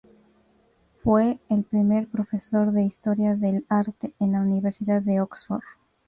Fue el primer profesor de historia del arte en la Universidad de Oxford.